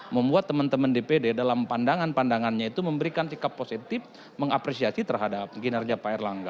membuat teman teman dpd dalam pandangan pandangannya itu memberikan sikap positif mengapresiasi terhadap kinerja pak erlangga